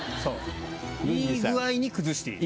いい具合に崩している。